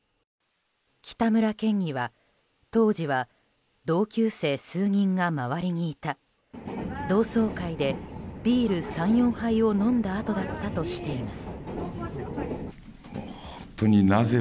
北村県議は当時は同級生数人が周りにいた同窓会でビール３４杯を飲んだあとだったとしています。